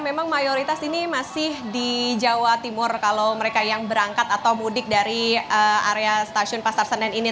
memang mayoritas ini masih di jawa timur kalau mereka yang berangkat atau mudik dari area stasiun pasar senen ini